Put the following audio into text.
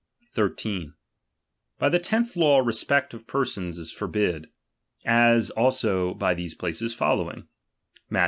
13. By the tenth law respect of persons is for A]» ' T)id ; as also by these places following: Matth.